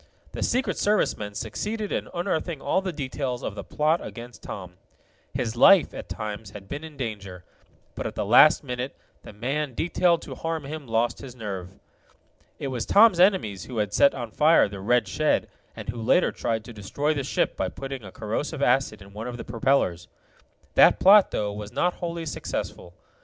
The Secret Service men succeeded in unearthing all the details of the plot against Tom. His life, at times, had been in danger, but at the last minute the man detailed to harm him lost his nerve. It was Tom's enemies who had set on fire the red shed, and who later tried to destroy the ship by putting a corrosive acid in one of the propellers. That plot, though, was not wholly successful.